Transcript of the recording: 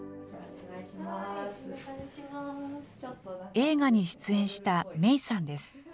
映画に出演しためいさんです。